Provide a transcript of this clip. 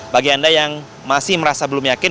bagi anda yang masih merasa belum yakin